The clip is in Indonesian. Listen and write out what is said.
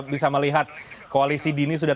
bisa melihat koalisi dini sudah